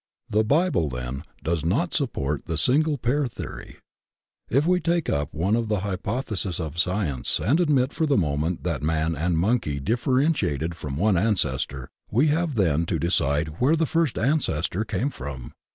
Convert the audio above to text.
The Bible, then, does not support the single pair theory. If we take up one of the hypotheses of Science and admit for the moment that man and monkey differ entiated from one ancestor, we have then to decide where the first ancestor came from.